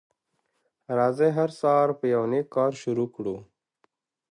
راځی هر سهار په یو نیک کار شروع کړو